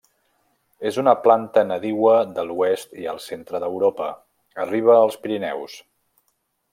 És una planta nadiua de l'oest i el centre d'Europa, arriba als Pirineus.